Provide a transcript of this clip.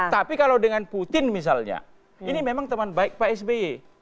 tapi kalau dengan putin misalnya ini memang teman baik pak sby